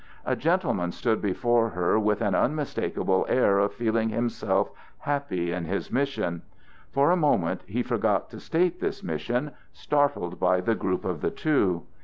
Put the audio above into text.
A gentleman stood before her with an unmistakable air of feeling himself happy in his mission. For a moment he forgot to state this mission, startled by the group of the two.